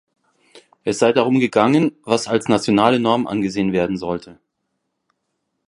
Es sei darum gegangen, was als nationale Norm angesehen werden sollte.